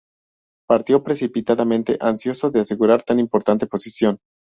Partió precipitadamente, ansioso de asegurar tan importante posición.